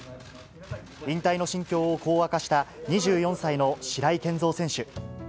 引退の心境をこう明かした２４歳の白井健三選手。